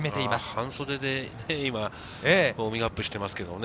半袖で今、ウオーミングアップしていますけどね。